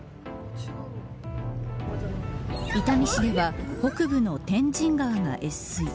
伊丹市では北部の天神川が越水。